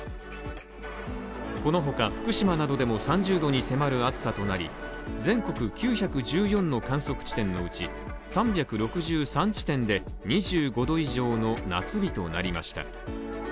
このほか、福島などでも３０度に迫る暑さとなり全国９１４の観測地点のうち、３６３地点で２５度以上の夏日となりました。